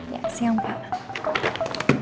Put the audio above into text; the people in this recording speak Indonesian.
ya siang pak